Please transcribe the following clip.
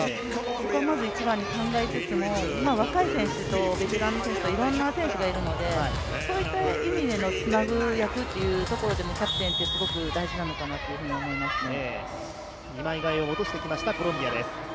そこはまず一番に考えつつも若い選手とベテランの選手といろんな選手がいるのでそういった意味でのつなぐ役というところでのキャプテンってすごく大事なのかなと思いますね。